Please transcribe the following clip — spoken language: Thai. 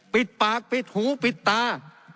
ปิดปากปิดหูปิดตา